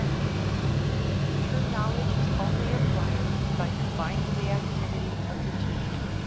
True knowledge is only acquired by combining the activity of the two.